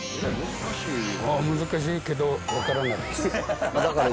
難しいけど、分からない。